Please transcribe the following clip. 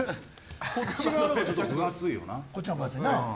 こっち側のほうが分厚いよな。